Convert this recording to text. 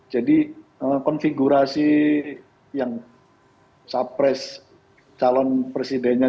jadi konfigurasi yang sapres calon presidennya